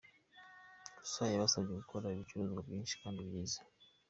Gusa yabasabye gukora ibicuruzwa byinshi kandi byiza.